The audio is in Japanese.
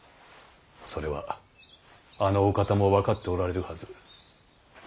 それはあのお方も分かっておられるはず。